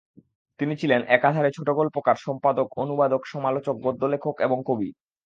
তিনি ছিলেন একাধারে ছোটগল্পকার, সম্পাদক, অনুবাদক, সমালোচক, গদ্যলেখক এবং কবি।